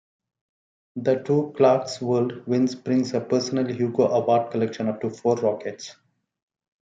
The two "Clarkesworld" wins brings her personal Hugo Award collection up to four rockets.